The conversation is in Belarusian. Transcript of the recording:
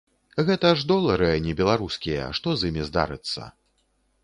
Гэта ж долары, а не беларускія, што з імі здарыцца?